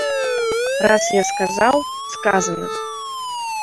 Раз я сказаў, сказана!